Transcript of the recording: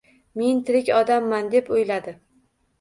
Men tirik odamman, deb o`yladi